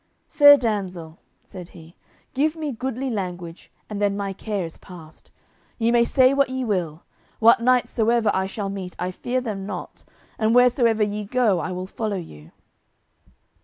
"Fair damsel," said he, "give me goodly language, and then my care is past. Ye may say what ye will; what knights soever I shall meet, I fear them not, and wheresoever ye go I will follow you."